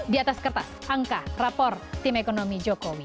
di atas kertas angka rapor tim ekonomi jokowi